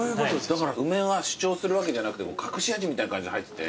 だから梅が主張するわけじゃなくて隠し味みたいな感じで入ってて。